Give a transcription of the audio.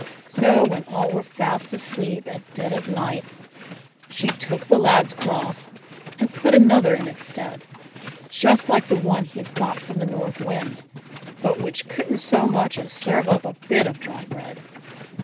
So, when all were fast asleep at dead of night, she took the Lad's cloth, and put another in its stead, just like the one he had got from the North Wind, but which couldn't so much as serve up a bit of dry bread.